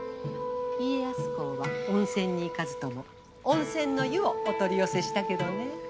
家康公は温泉に行かずとも温泉の湯をお取り寄せしたけどね。